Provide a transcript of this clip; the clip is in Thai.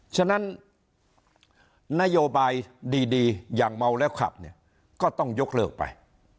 ฉะนั้นนโยบายดีอย่างเมาแล้วขับเนี่ยก็ต้องยกเลิกไป